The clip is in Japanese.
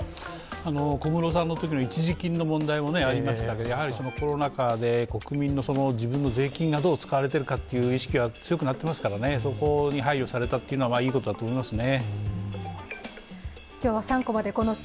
小室さんのときの一時金の問題もありましたけれども、やはりコロナ禍で国民の自分の税金がどう使われてるかの意識が強くなっていますからそこに配慮されたのはいいことだと思いますね。